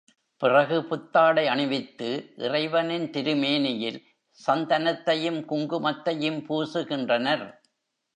பிறகு புத்தாடை அணிவித்து, இறைவனின் திருமேனியில் சந்தனத்தையும், குங்குமத்தையும் பூசுகின்றனர்.